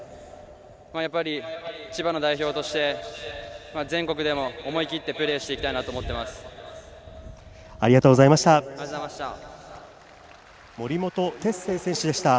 やっぱり千葉の代表として全国でも思い切ってプレーしていきたいなとありがとうございました。